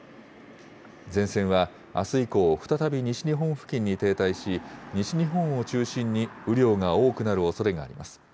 前線はあす以降、再び西日本付近に停滞し、西日本を中心に雨量が多くなるおそれがあります。